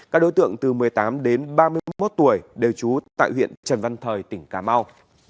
các đối tượng từ một mươi tám đến ba mươi một tuổi đều trú tại huyện trần văn thời tỉnh cà mau